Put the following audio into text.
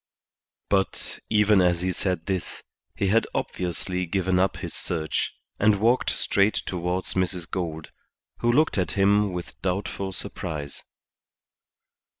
But, even as he said this, he had obviously given up his search, and walked straight towards Mrs. Gould, who looked at him with doubtful surprise.